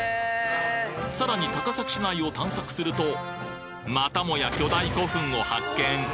さらに高崎市内を探索するとまたもや巨大古墳を発見！！